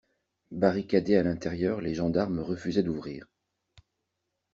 Barricadés à l'intérieur, les gendarmes refusaient d'ouvrir.